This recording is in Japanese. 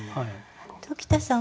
鴇田さん